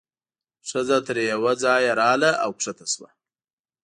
ښځه تر یوه ځایه راغله او کښته شوه.